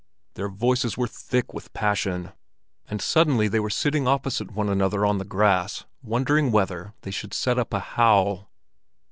Their voices were thick with passion. And suddenly they were sitting opposite one another on the grass wondering whether they should set up a howl.